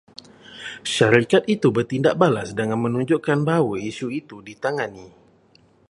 Syarikat itu bertindak balas dengan menunjukkan bahawa isu itu ditangani